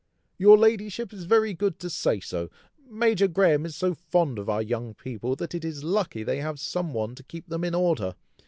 "Your ladyship is very good to say so. Major Graham is so fond of our young people, that it is lucky they have some one to keep them in order.